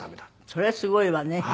それすごいわね。